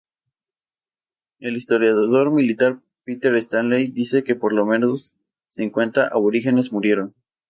El historiador militar Peter Stanley dice que por lo menos cincuenta aborígenes murieron.